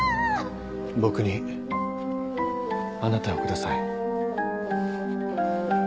僕にあなたをください。